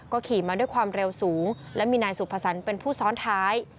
ขี่มาด้วยความเร็วสูงและมีนายสุภสรรค์เป็นผู้ซ้อนท้าย